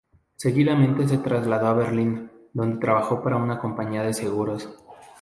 Seguidamente se trasladó a Berlín, donde trabajó para una compañía de seguros.